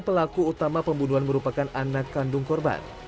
pelaku utama pembunuhan merupakan anak kandung korban